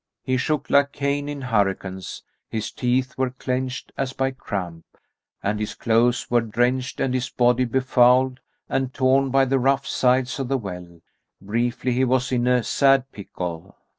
He shook like cane in hurricane, his teeth were clenched as by cramp and his clothes were drenched and his body befouled and torn by the rough sides of the well: briefly he was in a sad pickle.